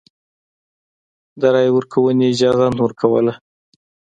د رایې ورکونې اجازه نه ورکوله.